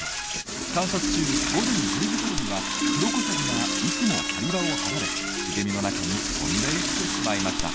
観察中午前１０時ごろにはクロコサギはいつも狩り場を離れ茂みの中に飛んでいってしまいました。